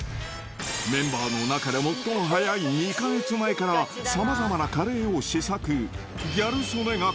メンバーの中で最も早い２か月前からさまざまなカレーを試作。